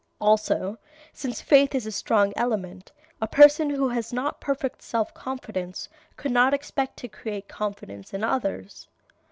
Also, since faith is a strong element, a person who has not perfect self confidence could not expect to create confidence in others.